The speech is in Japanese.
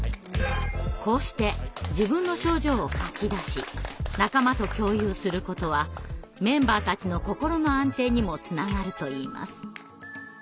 こうして自分の症状を書きだし仲間と共有することはメンバーたちの心の安定にもつながるといいます。